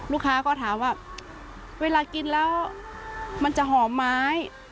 ลูกค้าก็ถามว่าเวลากินแล้วมันจะหอมไหม